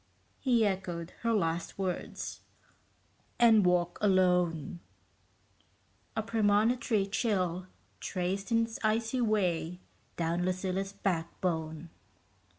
He echoed her last words. "And walk alone...." A premonitory chill traced its icy way down Lucilla's backbone.